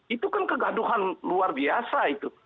itu kan kegaduhan luar biasa itu